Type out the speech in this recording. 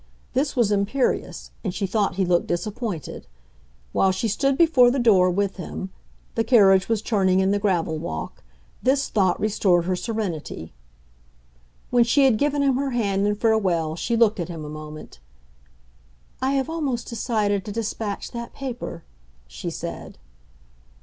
This was imperious, and she thought he looked disappointed. While she stood before the door with him—the carriage was turning in the gravel walk—this thought restored her serenity. When she had given him her hand in farewell she looked at him a moment. "I have almost decided to dispatch that paper," she said.